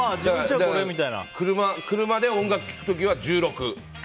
車で音楽聴く時は１６。